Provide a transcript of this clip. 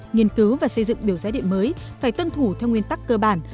nghiên cứu và xây dựng biểu giá điện mới phải tuân thủ theo nguyên tắc cơ bản